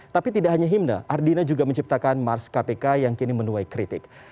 tapi tidak hanya himne ardina juga menciptakan mars kpk yang kini menuai kritik